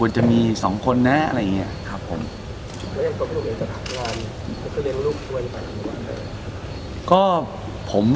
แล้วอย่างส่วนลูกเองสถานการณ์ก็คือเลี้ยงลูกด้วยหรือเปล่านั้นหรือเปล่า